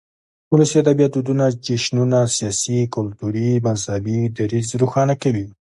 ولسي ادبيات دودنه، جشنونه ،سياسي، کلتوري ،مذهبي ، دريځ روښانه کوي.